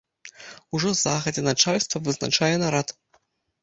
Ужо загадзя начальства вызначае нарад.